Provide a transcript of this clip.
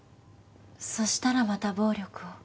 そしたらまた暴力を？